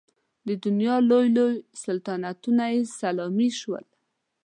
د دنیا لوی لوی سلطنتونه یې سلامي شول.